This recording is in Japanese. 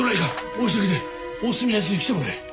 大急ぎで大角のやつに来てもらえ。